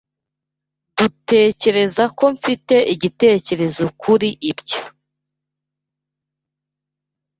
Dutekereza ko mfite igitekerezo kuri ibyo.